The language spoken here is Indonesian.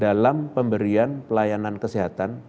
dalam pemberian pelayanan kesehatan